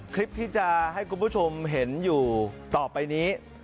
คลิปที่จะให้คุณผู้ชมเห็นอยู่ต่อไปนี้